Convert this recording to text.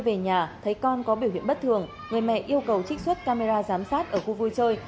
về nhà thấy con có biểu hiện bất thường người mẹ yêu cầu trích xuất camera giám sát ở khu vui chơi